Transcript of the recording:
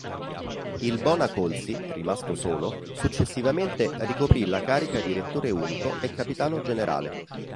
Il Bonacolsi, rimasto solo, successivamente ricoprì la carica di Rettore Unico e Capitano Generale.